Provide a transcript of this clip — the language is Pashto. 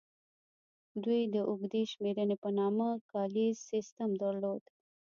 دوی د اوږدې شمېرنې په نامه کالیز سیستم درلود